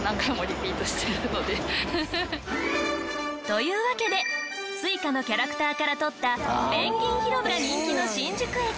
というわけでＳｕｉｃａのキャラクターから取ったペンギン広場が人気の新宿駅。